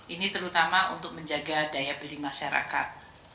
ini terutama untuk menjaga daya beli masyarakat